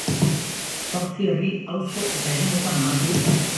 Zortzi herri, auzo eta eremutan banaturik dago.